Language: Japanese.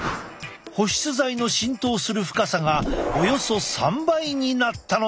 保湿剤の浸透する深さがおよそ３倍になったのだ！